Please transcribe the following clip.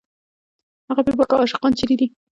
هغه بېباکه عاشقان چېرې دي